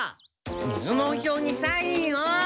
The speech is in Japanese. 入門表にサインを！